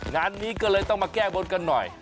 งานนี้ก็เลยต้องมาแก้บนกันหน่อย